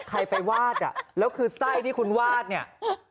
ใครไปวาดอ่ะแล้วคือไส้ที่คุณวาดเนี่ย